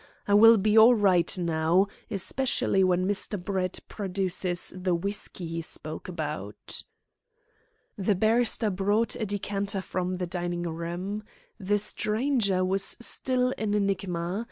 I will be all right now, especially when Mr. Brett produces the whisky he spoke about." The barrister brought a decanter from the dining room. The stranger was still an enigma.